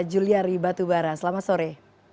julia ribatubara selamat sore